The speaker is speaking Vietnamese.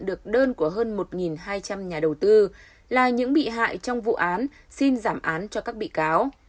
được đơn của hơn một hai trăm linh nhà đầu tư là những bị hại trong vụ án xin giảm án cho các bị cáo